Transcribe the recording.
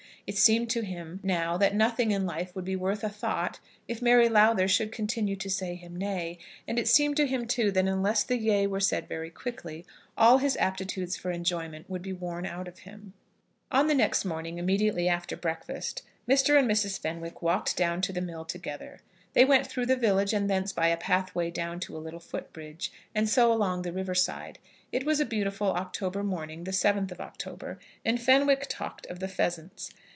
It seemed to him now that nothing in life would be worth a thought if Mary Lowther should continue to say him nay; and it seemed to him, too, that unless the yea were said very quickly, all his aptitudes for enjoyment would be worn out of him. On the next morning, immediately after breakfast, Mr. and Mrs. Fenwick walked down to the mill together. They went through the village, and thence by a pathway down to a little foot bridge, and so along the river side. It was a beautiful October morning, the 7th of October, and Fenwick talked of the pheasants.